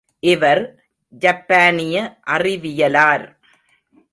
இவர் ஜப்பானிய அறிவியலார்.